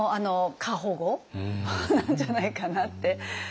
過保護なんじゃないかなって。